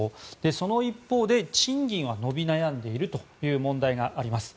その一方で賃金は伸び悩んでいるという問題があります。